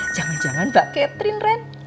jangan jangan mbak catherine ren